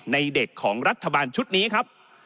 ในเด็กของรัฐบาลชุดนี้ครับ